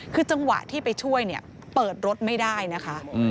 คือจังหวะที่ไปช่วยเนี่ยเปิดรถไม่ได้นะคะ